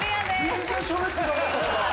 全然しゃべってなかったから。